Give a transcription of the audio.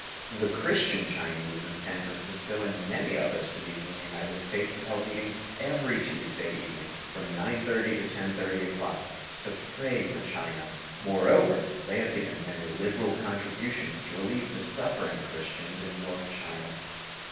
The Christian Chinese in San Francisco, and many in other cities of the United States, have held meetings every Tuesday evening, from 9:30 to 10:30 o'clock, to pray for China. Moreover, they have given many liberal contributions to relieve the suffering Christians in North China.